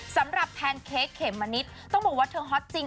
สำหรับแพนเค้กเข็มฮ่าเหนต์ต้องบอกว่าเธอฮอตจริงอะไรจริง